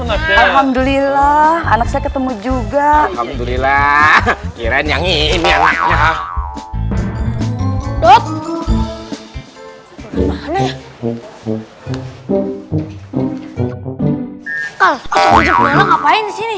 alhamdulillah anak saya ketemu juga alhamdulillah kirain yang ini anaknya